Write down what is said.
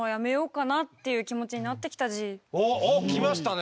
おっきましたね！